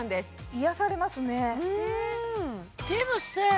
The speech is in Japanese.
癒やされますね